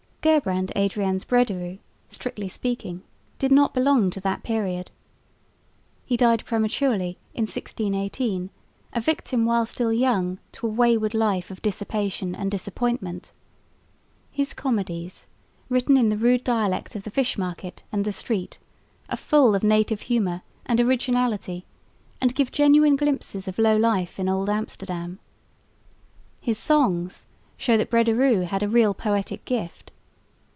Gerbrand Adriansz Brederôo, strictly speaking, did not belong to that period. He died prematurely in 1618, a victim while still young to a wayward life of dissipation and disappointment. His comedies, written in the rude dialect of the fish market and the street, are full of native humour and originality and give genuine glimpses of low life in old Amsterdam. His songs show that Brederôo had a real poetic gift.